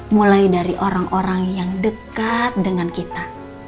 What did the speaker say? mulai dari orang orang yang dekat dengan kita